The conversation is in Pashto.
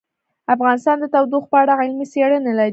افغانستان د تودوخه په اړه علمي څېړنې لري.